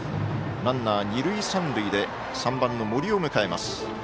ランナー、二塁三塁で３番の森を迎えます。